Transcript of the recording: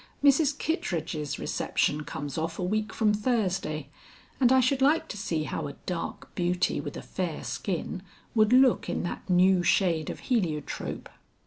"Mrs. Kittredge's reception comes off a week from Thursday, and I should like to see how a dark beauty with a fair skin would look in that new shade of heliotrope."